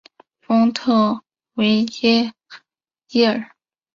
丰特维耶伊尔。